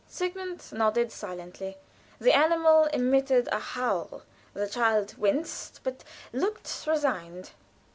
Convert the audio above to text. Sigmund nodded silently. The animal emitted a howl; the child winced, but looked resigned.